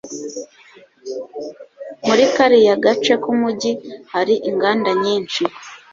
muri kariya gace k'umujyi hari inganda nyinshi